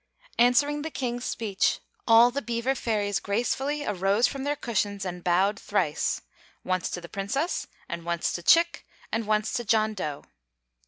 Answering the King's speech, all the Beaver Fairies gracefully arose from their cushions and bowed thrice once to the Princess and once to Chick and once to John Dough.